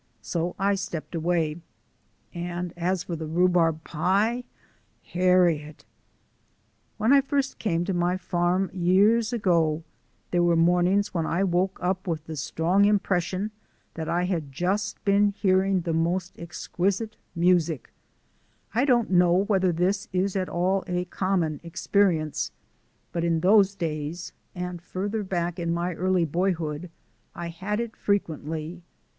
So I stepped away. "And as for rhubarb pie, Harriet " When I first came to my farm years ago there were mornings when I woke up with the strong impression that I had just been hearing the most exquisite sounds of music. I don't know whether this is at all a common experience, but in those days (and farther back in my early boyhood) I had it frequently.